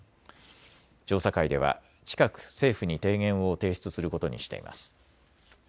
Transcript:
調査会では近く政府に提言を提出することにしています。